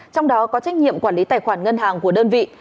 trong đó có trách nhiệm quản lý tài khoản ngân hàng của đơn vị